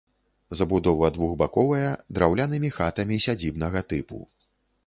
Забудова двухбаковая, драўлянымі хатамі сядзібнага тыпу.